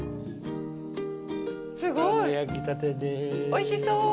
おいしそう！